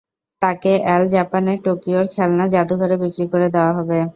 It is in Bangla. তাকে অ্যাল জাপানের টোকিওর খেলনা জাদুঘরে বিক্রি করে দেওয়া হবে।